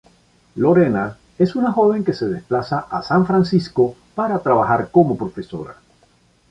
Lorena es una joven que se desplaza a San Francisco para trabajar como profesora.